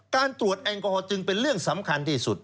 การตรวจแอลกอฮอลจึงเป็นเรื่องสำคัญที่สุด